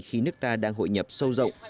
khi nước ta đang hội nhập sâu rộng